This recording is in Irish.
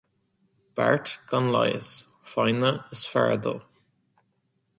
Beart gan leigheas, foighne is fearr dó.